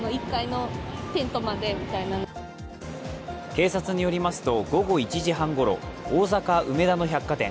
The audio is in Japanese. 警察によりますと午後１時半ごろ大阪・梅田の百貨店